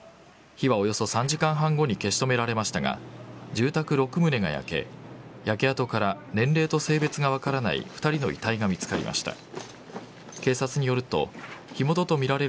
火はおよそ３時間半後に消し止められましたが住宅６棟が焼け焼け跡から年齢と性別が分からない２人の遺体が見つかりました。